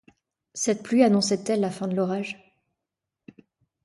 Cette pluie annonçait-elle la fin de l’orage?